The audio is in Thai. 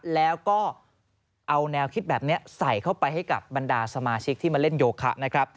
แล้วก็เอาแนวคิดแบบนี้ใส่เข้าไปให้กับบรรดาสมาชิกที่มาเล่นโยคะนะครับ